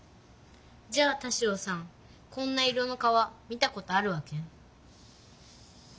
じゃあ田代さんこんな色の川見たことあるわけ？